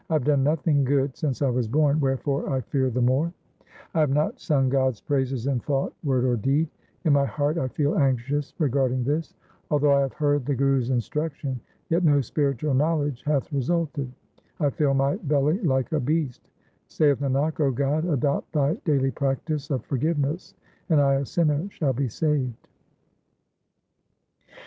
1 have done nothing good since I was born, wherefore I fear the more ; D d 2 404 THE SIKH RELIGION I have not sung God's praises in thought, word, or deed ; in my heart I feel anxious regarding this ; Although I have heard the Guru's instruction, yet no spiritual knowledge hath resulted ; I fill my belly like a beast — Saith Nanak, O God, adopt Thy daily practice of for giveness, and I a sinner shall be saved.